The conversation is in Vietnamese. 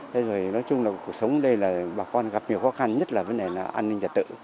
thế rồi nói chung là cuộc sống đây là bà con gặp nhiều khó khăn nhất là vấn đề là an ninh trật tự